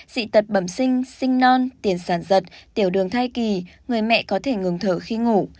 dị tật bẩm sinh sinh non tiền sản giật tiểu đường thai kỳ người mẹ có thể ngừng thở khi ngủ